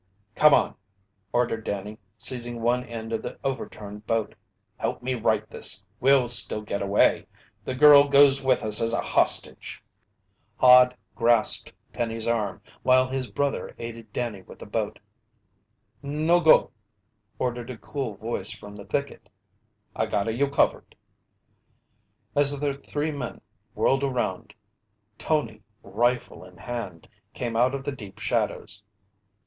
"Come on!" ordered Danny, seizing one end of the overturned boat. "Help me right this! We'll still get away! The girl goes with us as a hostage!" Hod grasped Penny's arm, while his brother aided Danny with the boat. "No go!" ordered a cool voice from the thicket. "I gotta you covered!" As the three men whirled around, Tony, rifle in hand, came out of the deep shadows.